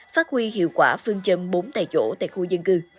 phát huy hiệu quả phương châm bốn tại chỗ tại khu dân cư